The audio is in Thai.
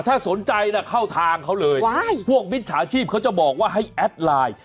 ถ้าสนใจนะเข้าทางเขาเลยพวกมิจฉาชีพเขาจะบอกว่าให้แอดไลน์